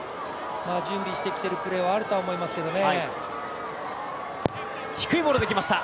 準備してきているプレーはあるとは思いますけどね。